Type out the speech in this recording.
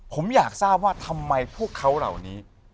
ผมอยากทราบว่าทำไมพวกเขาเหล่านี้